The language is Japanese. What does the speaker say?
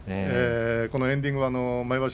このエンディング、毎場所